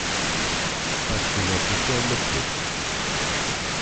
Páxina oficial do club